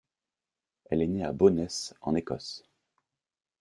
Elle est née à Bo'ness, en Écosse.